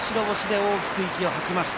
大きく息を吐きました。